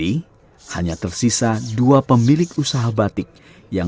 kini hanya tersisa dua pemilik usaha batik yang masih menggunakan batik gentong